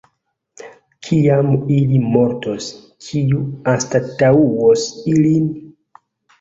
Kiam ili mortos, kiu anstataŭos ilin?